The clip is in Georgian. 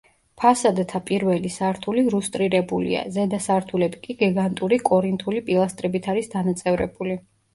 ფასადთა პირველი სართული რუსტირებულია, ზედა სართულები კი გიგანტური კორინთული პილასტრებით არის დანაწევრებული.